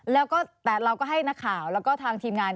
แล้วก็แต่เราก็ให้นักข่าวแล้วก็ทางทีมงาน